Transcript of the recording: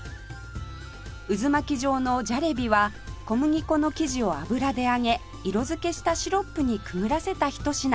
渦巻き状のジャレビは小麦粉の生地を油で揚げ色づけしたシロップにくぐらせたひと品